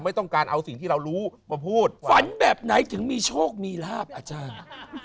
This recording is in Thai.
ไม่ต้องการเอาสิ่งที่เรารู้มาพูดฝันแบบไหนถึงมีโชคมีลาบอาจารย์